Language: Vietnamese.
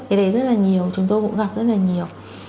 cái đấy rất là nhiều chúng tôi cũng gặp rất là nhiều